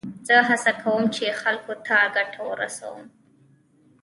زه هڅه کوم، چي خلکو ته ګټه ورسوم.